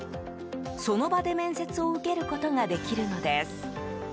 その場で面接を受けることができるのです。